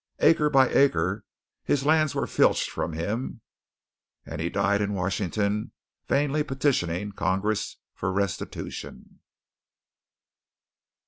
Acre by acre his lands were filched from him; and he died in Washington vainly petitioning Congress for restitution.